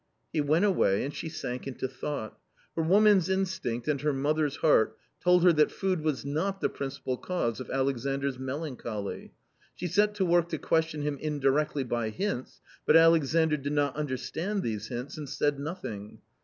He went away, and she sank into thought. Her woman's instinct and her mother's heart told her that food was not the principal cause of Alexandr's melancholy. She set to work to question him indirectly by hints, but Alexandr did not understand these hints and said nothing.